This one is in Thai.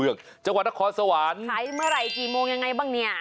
จังหวัดนครสวรรค์ขายเมื่อไหร่กี่โมงยังไงบ้างเนี่ย